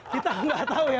kita gak tau ya